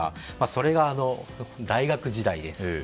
それが、大学時代です。